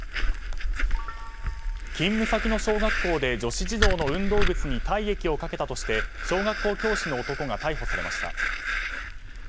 勤務先の小学校で女子児童の運動靴に体液をかけたとして小学校教師の男が逮捕されました。